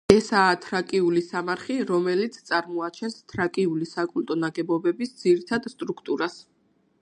ესაა თრაკიული სამარხი, რომელიც წარმოაჩენს თრაკიული საკულტო ნაგებობების ძირითად სტრუქტურას.